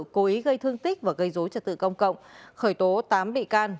cố ý gây thương tích và gây dối trật tự công cộng khởi tố tám bị can